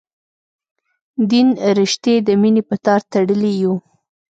دین رشتې د مینې په تار تړلي یو.